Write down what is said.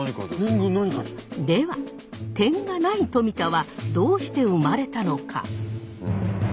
では点がない「冨田」はどうして生まれたのか？